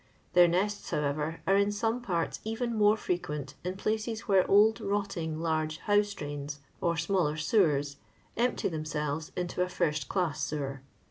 Their nests, howeyer, are in some parts even more frequent in places where old rotting large house drains or smaller sewers, empty themseWes into a first class sewer.